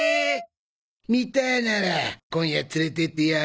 見たいなら今夜連れてってやるべ。